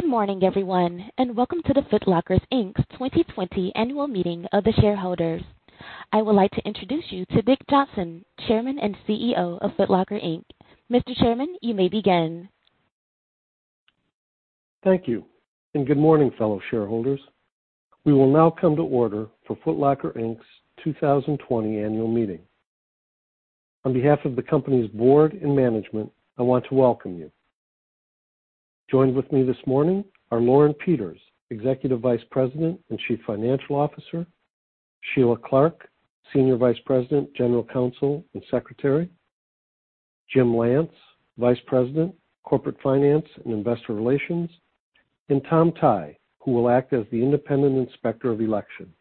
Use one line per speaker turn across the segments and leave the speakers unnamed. Good morning, everyone, and welcome to the Foot Locker, Inc.'s 2020 Annual Meeting of the Shareholders. I would like to introduce you to Dick Johnson, Chairman and CEO of Foot Locker, Inc. Mr. Chairman, you may begin.
Thank you. Good morning, fellow shareholders. We will now come to order for Foot Locker Inc.'s 2020 annual meeting. On behalf of the company's board and management, I want to welcome you. Joined with me this morning are Lauren Peters, Executive Vice President and Chief Financial Officer, Sheilagh Clarke, Senior Vice President, General Counsel and Secretary, Jim Lance, Vice President, Corporate Finance and Investor Relations, and Tom Tighe, who will act as the independent inspector of election.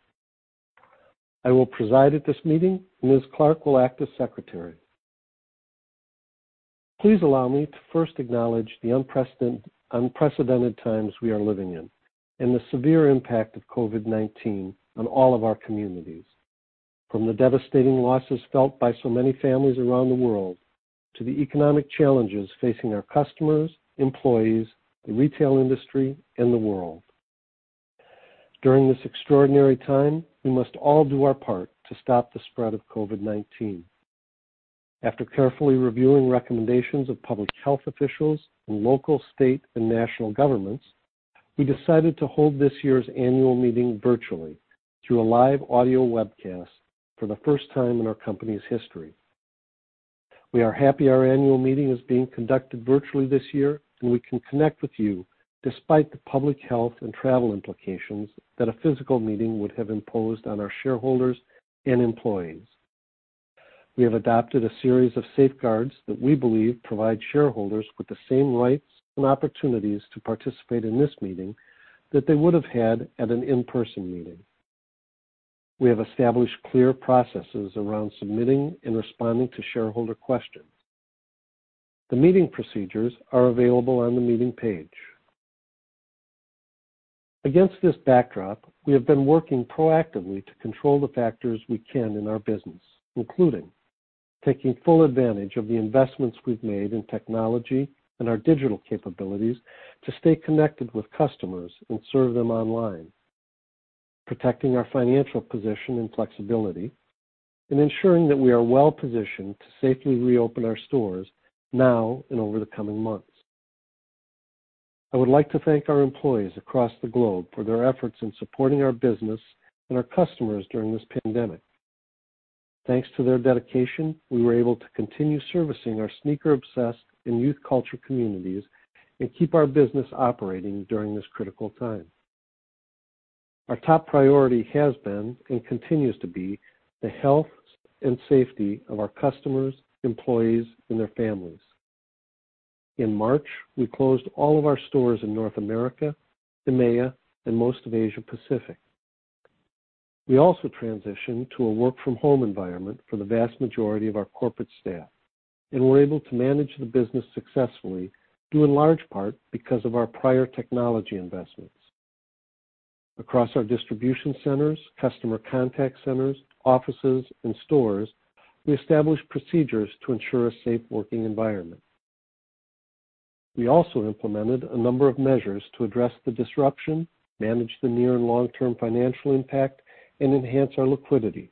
I will preside at this meeting, and Ms. Clarke will act as Secretary. Please allow me to first acknowledge the unprecedented times we are living in and the severe impact of COVID-19 on all of our communities, from the devastating losses felt by so many families around the world to the economic challenges facing our customers, employees, the retail industry, and the world. During this extraordinary time, we must all do our part to stop the spread of COVID-19. After carefully reviewing recommendations of public health officials and local, state, and national governments, we decided to hold this year's annual meeting virtually through a live audio webcast for the first time in our company's history. We are happy our annual meeting is being conducted virtually this year, and we can connect with you despite the public health and travel implications that a physical meeting would have imposed on our shareholders and employees. We have adopted a series of safeguards that we believe provide shareholders with the same rights and opportunities to participate in this meeting that they would have had at an in-person meeting. We have established clear processes around submitting and responding to shareholder questions. The meeting procedures are available on the meeting page. Against this backdrop, we have been working proactively to control the factors we can in our business, including taking full advantage of the investments we've made in technology and our digital capabilities to stay connected with customers and serve them online, protecting our financial position and flexibility, and ensuring that we are well-positioned to safely reopen our stores now and over the coming months. I would like to thank our employees across the globe for their efforts in supporting our business and our customers during this pandemic. Thanks to their dedication, we were able to continue servicing our sneaker-obsessed and youth culture communities and keep our business operating during this critical time. Our top priority has been and continues to be the health and safety of our customers, employees, and their families. In March, we closed all of our stores in North America, EMEA, and most of Asia-Pacific. We also transitioned to a work-from-home environment for the vast majority of our corporate staff and were able to manage the business successfully, due in large part because of our prior technology investments. Across our distribution centers, customer contact centers, offices, and stores, we established procedures to ensure a safe working environment. We also implemented a number of measures to address the disruption, manage the near and long-term financial impact, and enhance our liquidity.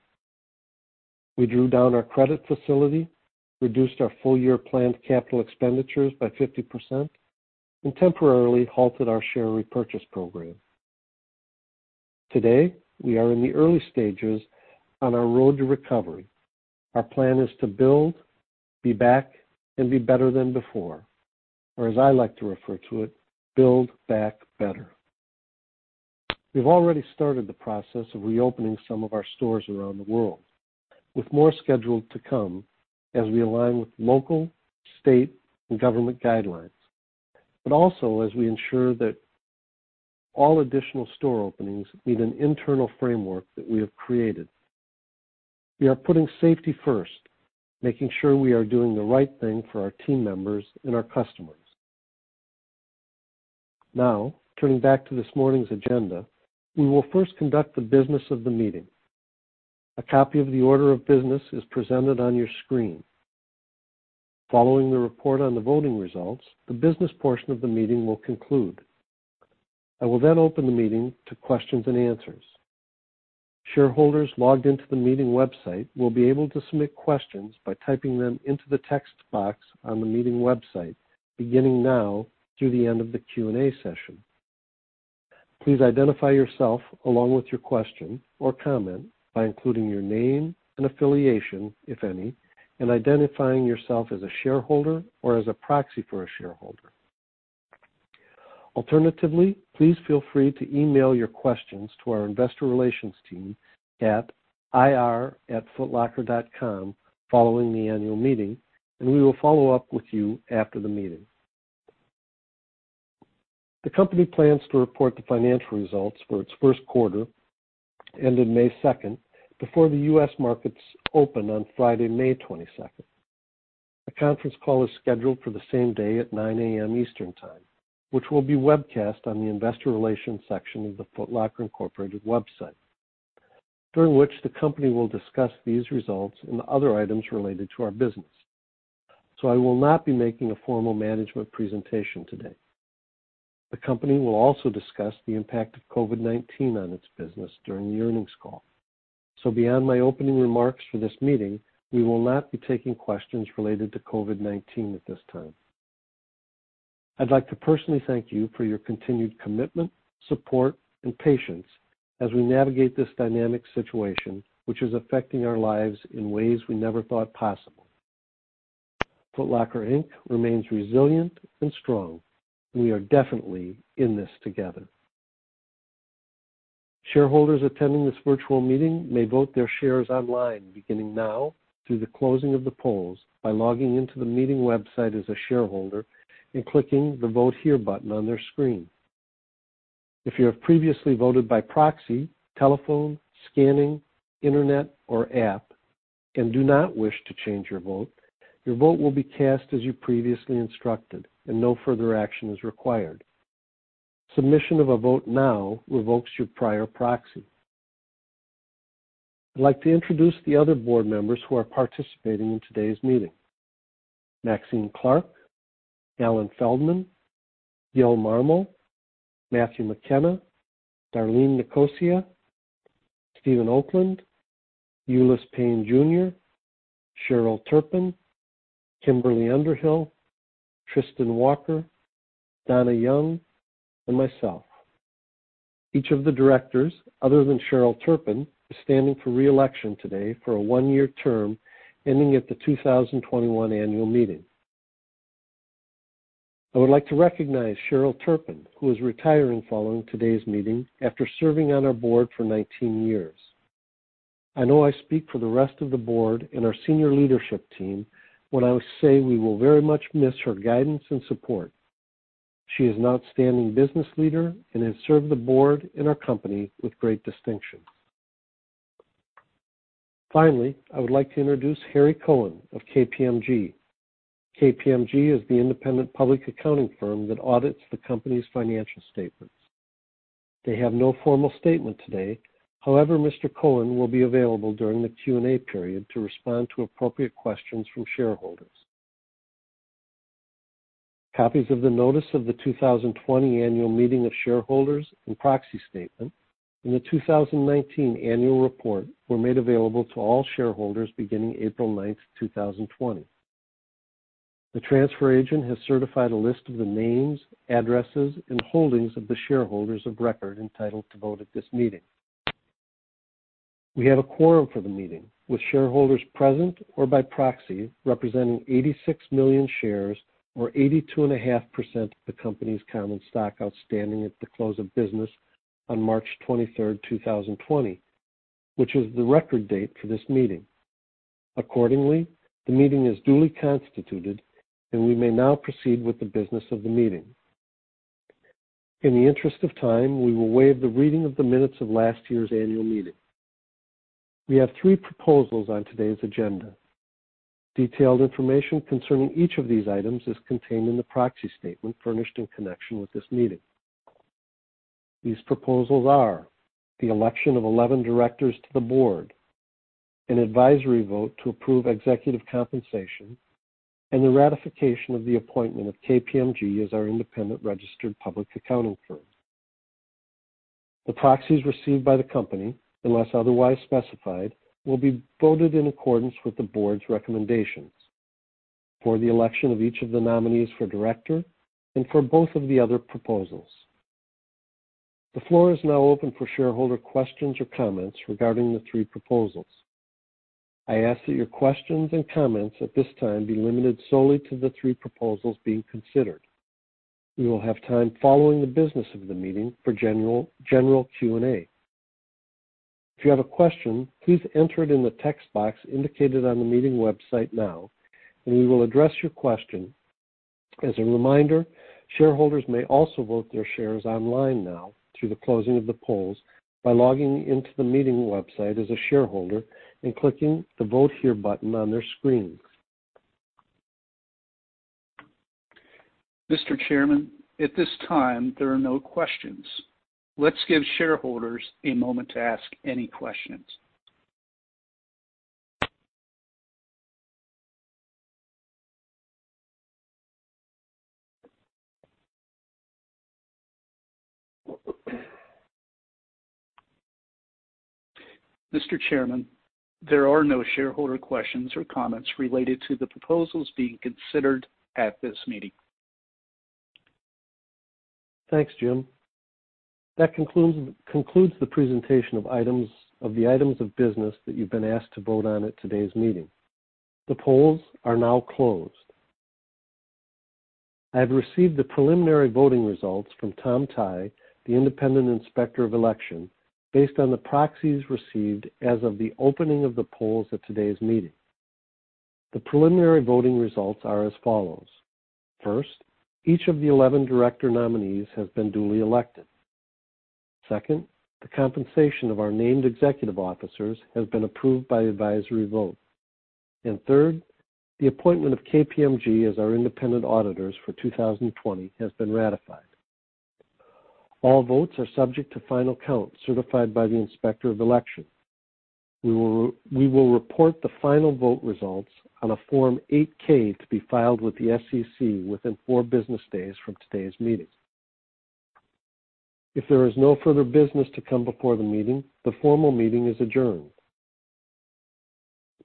We drew down our credit facility, reduced our full-year planned capital expenditures by 50%, and temporarily halted our share repurchase program. Today, we are in the early stages on our road to recovery. Our plan is to build, be back, and be better than before, or as I like to refer to it, build back better. We've already started the process of reopening some of our stores around the world, with more scheduled to come as we align with local, state, and government guidelines, but also as we ensure that all additional store openings meet an internal framework that we have created. We are putting safety first, making sure we are doing the right thing for our team members and our customers. Turning back to this morning's agenda, we will first conduct the business of the meeting. A copy of the order of business is presented on your screen. Following the report on the voting results, the business portion of the meeting will conclude. I will then open the meeting to questions and answers. Shareholders logged into the meeting website will be able to submit questions by typing them into the text box on the meeting website, beginning now through the end of the Q&A session. Please identify yourself along with your question or comment by including your name and affiliation, if any, and identifying yourself as a shareholder or as a proxy for a shareholder. Alternatively, please feel free to email your questions to our investor relations team at ir@footlocker.com following the annual meeting, and we will follow up with you after the meeting. The company plans to report the financial results for its first quarter, ended May 2nd, before the U.S. markets open on Friday, May 22nd. A conference call is scheduled for the same day at 9:00 A.M. Eastern Time, which will be webcast on the investor relations section of the Foot Locker Incorporated website, during which the company will discuss these results and other items related to our business. I will not be making a formal management presentation today. The company will also discuss the impact of COVID-19 on its business during the earnings call. Beyond my opening remarks for this meeting, we will not be taking questions related to COVID-19 at this time. I'd like to personally thank you for your continued commitment, support, and patience as we navigate this dynamic situation, which is affecting our lives in ways we never thought possible. Foot Locker, Inc. remains resilient and strong, and we are definitely in this together. Shareholders attending this virtual meeting may vote their shares online, beginning now through the closing of the polls by logging into the meeting website as a shareholder and clicking the Vote Here button on their screen. If you have previously voted by proxy, telephone, scanning, internet, or app, and do not wish to change your vote, your vote will be cast as you previously instructed, and no further action is required. Submission of a vote now revokes your prior proxy. I'd like to introduce the other board members who are participating in today's meeting. Maxine Clark, Alan Feldman, Guillermo Marmol, Matthew McKenna, Darlene Nicosia, Steven Oakland, Ulice Payne Jr., Cheryl Turpin, Kimberly Underhill, Tristan Walker, Dona Young, and myself. Each of the directors, other than Cheryl Turpin, is standing for re-election today for a one-year term ending at the 2021 annual meeting. I would like to recognize Cheryl Turpin, who is retiring following today's meeting after serving on our board for 19 years. I know I speak for the rest of the board and our senior leadership team when I say we will very much miss her guidance and support. She is an outstanding business leader and has served the board and our company with great distinction. Finally, I would like to introduce Harry Cohen of KPMG. KPMG is the independent public accounting firm that audits the company's financial statements. They have no formal statement today. However, Mr. Cohen will be available during the Q&A period to respond to appropriate questions from shareholders. Copies of the notice of the 2020 annual meeting of shareholders and proxy statement and the 2019 annual report were made available to all shareholders beginning April 9th, 2020. The transfer agent has certified a list of the names, addresses, and holdings of the shareholders of record entitled to vote at this meeting. We have a quorum for the meeting with shareholders present or by proxy, representing 86 million shares or 82.5% of the company's common stock outstanding at the close of business on March 23rd, 2020, which is the record date for this meeting. Accordingly, the meeting is duly constituted, and we may now proceed with the business of the meeting. In the interest of time, we will waive the reading of the minutes of last year's annual meeting. We have three proposals on today's agenda. Detailed information concerning each of these items is contained in the proxy statement furnished in connection with this meeting. These proposals are the election of 11 directors to the board, an advisory vote to approve executive compensation, and the ratification of the appointment of KPMG as our independent registered public accounting firm. The proxies received by the company, unless otherwise specified, will be voted in accordance with the board's recommendations for the election of each of the nominees for director and for both of the other proposals. The floor is now open for shareholder questions or comments regarding the three proposals. I ask that your questions and comments at this time be limited solely to the three proposals being considered. We will have time following the business of the meeting for general Q&A. If you have a question, please enter it in the text box indicated on the meeting website now, and we will address your question. As a reminder, shareholders may also vote their shares online now through the closing of the polls by logging into the meeting website as a shareholder and clicking the Vote Here button on their screen.
Mr. Chairman, at this time, there are no questions. Let's give shareholders a moment to ask any questions. Mr. Chairman, there are no shareholder questions or comments related to the proposals being considered at this meeting.
Thanks, Jim. That concludes the presentation of the items of business that you've been asked to vote on at today's meeting. The polls are now closed. I have received the preliminary voting results from Tom Tighe, the independent inspector of election, based on the proxies received as of the opening of the polls at today's meeting. The preliminary voting results are as follows. First, each of the 11 director nominees has been duly elected. Second, the compensation of our named executive officers has been approved by advisory vote. Third, the appointment of KPMG as our independent auditors for 2020 has been ratified. All votes are subject to final count certified by the Inspector of Election. We will report the final vote results on a Form 8-K to be filed with the SEC within four business days from today's meeting. If there is no further business to come before the meeting, the formal meeting is adjourned.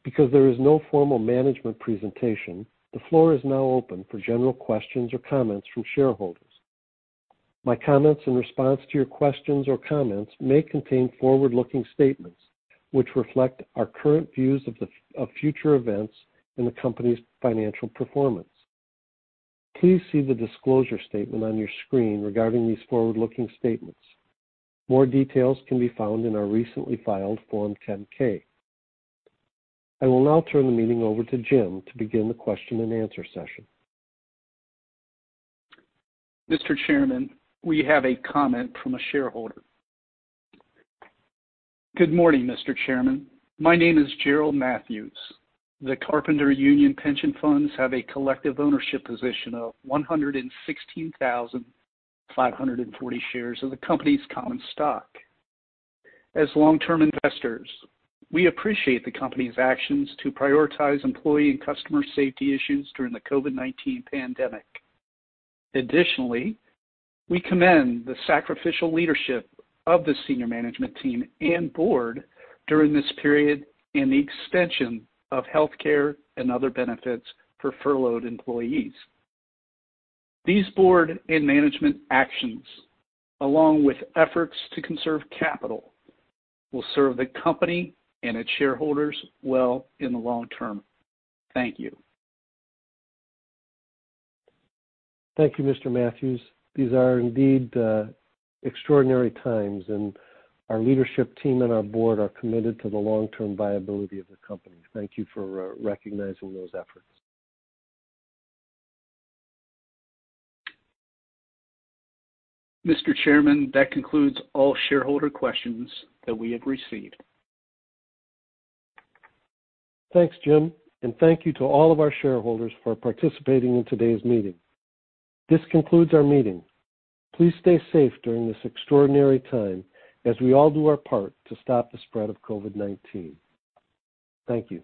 Because there is no formal management presentation, the floor is now open for general questions or comments from shareholders. My comments in response to your questions or comments may contain forward-looking statements which reflect our current views of future events and the company's financial performance. Please see the disclosure statement on your screen regarding these forward-looking statements. More details can be found in our recently filed Form 10-K. I will now turn the meeting over to Jim to begin the question and answer session.
Mr. Chairman, we have a comment from a shareholder. Good morning, Mr. Chairman. My name is Gerald Matthews. The Carpenters Union Pension Funds have a collective ownership position of 116,540 shares of the company's common stock. As long-term investors, we appreciate the company's actions to prioritize employee and customer safety issues during the COVID-19 pandemic. Additionally, we commend the sacrificial leadership of the senior management team and board during this period and the extension of healthcare and other benefits for furloughed employees. These board and management actions, along with efforts to conserve capital, will serve the company and its shareholders well in the long term. Thank you.
Thank you, Mr. Matthews. These are indeed extraordinary times, and our leadership team and our board are committed to the long-term viability of the company. Thank you for recognizing those efforts.
Mr. Chairman, that concludes all shareholder questions that we have received.
Thanks, Jim, and thank you to all of our shareholders for participating in today's meeting. This concludes our meeting. Please stay safe during this extraordinary time as we all do our part to stop the spread of COVID-19. Thank you